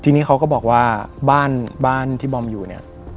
ทีนี้เขาก็บอกว่าบ้านบ้านที่บอมอยู่เนี่ย